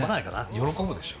喜ぶでしょ。